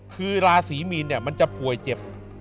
คือราศรีมีนมันจะป่วยเจ็บ